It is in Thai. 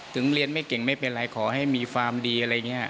เรียนไม่เก่งไม่เป็นไรขอให้มีฟาร์มดีอะไรอย่างนี้